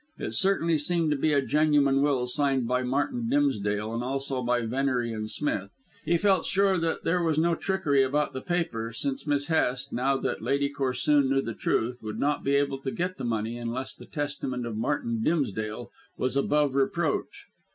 It certainly seemed to be a genuine will signed by Martin Dimsdale and also by Venery and Smith. He felt sure that there was no trickery about the paper, since Miss Hest now that Lady Corsoon knew the truth would not be able to get the money unless the testament of Martin Dimsdale was above reproach.